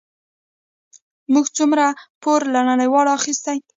موږ څومره پور له نړیوالو اخیستی؟